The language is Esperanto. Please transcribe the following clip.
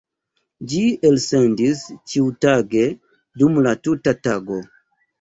Ĝi elsendis ĉiutage, dum la tuta tago.